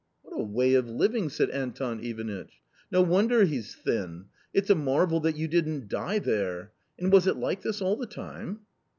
" What a way of living !" said Anton Ivanitch. " No wonder he's thin ! it's a marvel that you didn't die there ! And was it like this all the time